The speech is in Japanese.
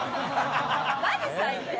・マジ最低！